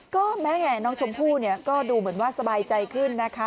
ก็แม้ไงน้องชมพู่เนี่ยก็ดูเหมือนว่าสบายใจขึ้นนะคะ